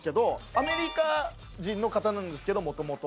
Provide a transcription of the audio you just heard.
アメリカ人の方なんですけどもともと。